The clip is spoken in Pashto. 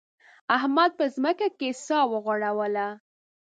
احمد په ځمکه کې سا وغوړوله.